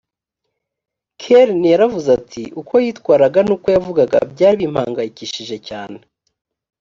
kerrin yaravuze ati uko yitwaraga n uko yavugaga byari bimpangayikishije cyane